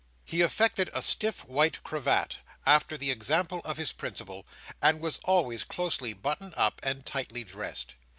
He affected a stiff white cravat, after the example of his principal, and was always closely buttoned up and tightly dressed.